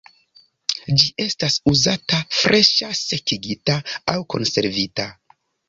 Ĝi estas uzata freŝa, sekigita aŭ konservita.